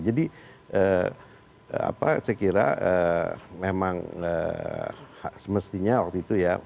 jadi apa saya kira memang semestinya waktu itu ya